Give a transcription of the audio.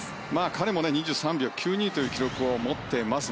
彼も２３秒９２という記録を持っています。